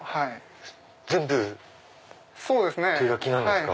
全部手描きなんですか？